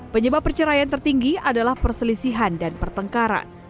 penyebab perceraian tertinggi adalah perselisihan dan pertengkaran